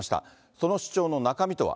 その主張の中身とは。